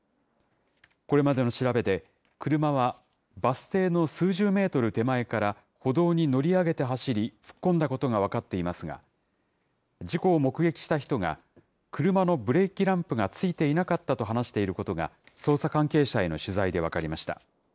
これまでの調べで、車はバス停の数十メートル手前から歩道に乗り上げて走り、突っ込んだことが分かっていますが、事故を目撃した人が、車のブレーキランプがついていなかったと話していることが、捜査関係者への取材で分かりました。